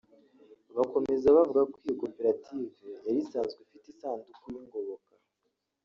Bakomeza bavuga ko iyi koperative yari isazwe ifite isanduku y’ingoboka